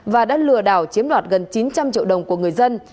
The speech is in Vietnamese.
và đã lừa đảo chiếm đoạt gần chín trăm linh triệu đồng của người dân